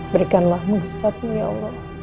berikanlah musadmu ya allah